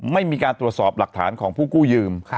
ไม่มีการตรวจสอบหลักฐานของผู้กู้ยืม